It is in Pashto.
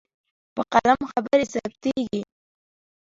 په قلم خبرې ثبتېږي.